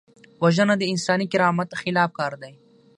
وژنه د انساني کرامت خلاف کار دی